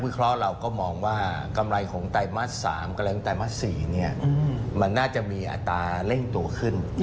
เคราะห์เราก็มองว่ากำไรของไตรมาส๓กำไรมาส๔มันน่าจะมีอัตราเร่งตัวขึ้น